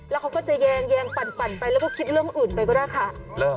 แล้วเขาก็จะแยงปั่นไปแล้วก็คิดเรื่องอื่นไปก็ได้ค่ะ